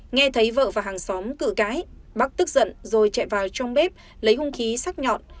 nghe thấy vợ và hàng xóm cự cãi bắc tức giận rồi chạy vào trong bếp lấy hung khí sắc nhọn